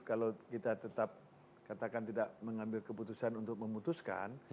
kalau kita tetap katakan tidak mengambil keputusan untuk memutuskan